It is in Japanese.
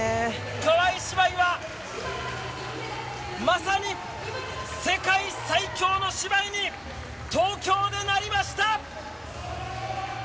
川井姉妹は、まさに世界最強の姉妹に、東京でなりました！